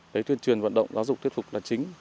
lấy thuyền truyền vận động giáo dục thuyết phục là chính